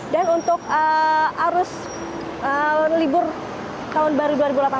dan untuk arus liburan tahun baru dua ribu delapan belas